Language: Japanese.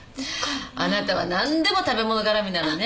あなたは何でも食べ物がらみなのね。